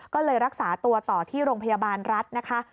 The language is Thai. ก็เลยรักษาตัวต่อที่โรงพยาบาลรัฐนะคะ